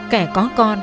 kẻ có con